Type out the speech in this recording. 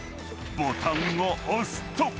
［ボタンを押すと］